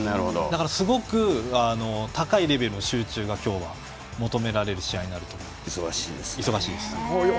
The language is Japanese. すごく高いレベルの集中が今日は求められる試合になると思います。